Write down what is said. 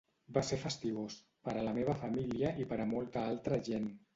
Va ser fastigós, per a la meva família i per a molta altra gent.